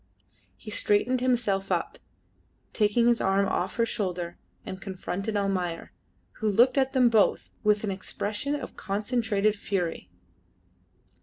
He straightened himself up, taking his arm off her shoulder, and confronted Almayer, who looked at them both with an expression of concentrated fury.